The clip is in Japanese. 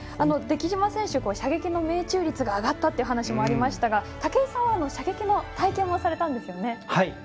出来島選手射撃の命中率が上がったという話がありましたが武井さんは射撃の体験もされたんですよね。